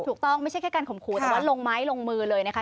ไม่ใช่แค่การข่มขู่แต่ว่าลงไม้ลงมือเลยนะคะ